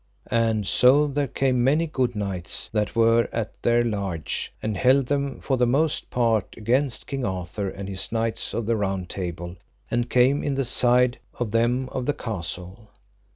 And so there came many good knights that were at their large, and held them for the most part against King Arthur and his knights of the Round Table and came in the side of them of the castle.